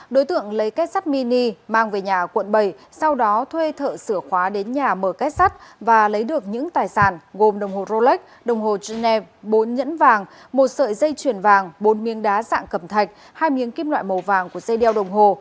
đối tượng lấy kết sắt mini mang về nhà quận bảy sau đó thuê thợ sửa khóa đến nhà mở kết sắt và lấy được những tài sản gồm đồng hồ rolex đồng hồ genève bốn nhẫn vàng một sợi dây chuyền vàng bốn miếng đá dạng cầm thạch hai miếng kim loại màu vàng của dây đeo đồng hồ